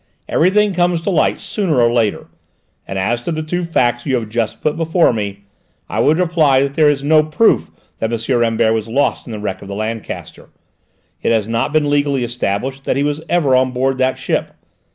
Everything comes to light sooner or later. And as to the two facts you have just put before me, I would reply that there is no proof that M. Rambert was lost in the wreck of the Lancaster: it has not been legally established that he ever was on board that ship.